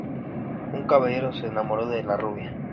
Un caballero se enamora de la rubia.